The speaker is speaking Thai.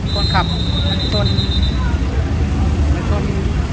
คนขับทวน